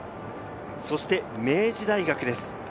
そして明治大学です。